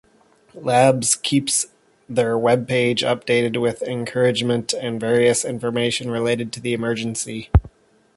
Labs keeps their webpage updated with encouragement and various information related to the emergency.